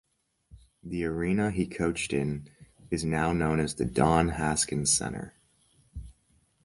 The arena he coached in is now known as "The Don Haskins Center".